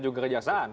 juga ke kejaksaan